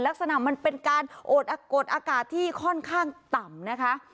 มันเป็นการโอดอากาศที่ค่อนข้างต่ำนะคะ